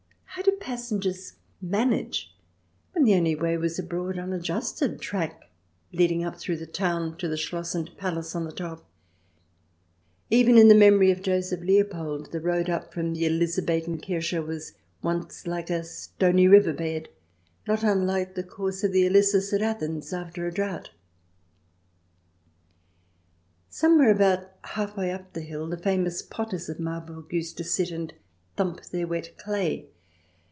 How did passengers manage when the only way was a broad, unadjusted track leading up through the town to the Schloss and Palace on the top ? Even in the memory of Joseph Leopold the road up from the Elizabethen Kirche was once like a stony river bed, not unlike the course of the Ilyssus at Athens after a drought. Somewhere about half way up the hill the famous potters of Marburg used to sit and thump their wet clay.